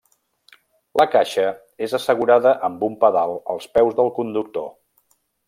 La caixa és assegurada amb un pedal als peus del conductor.